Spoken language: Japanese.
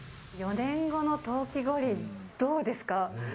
４年後の冬季五輪、どうですか？